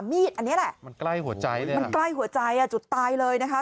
มีดอันนี้แหละมันใกล้หัวใจเลยมันใกล้หัวใจอ่ะจุดตายเลยนะคะ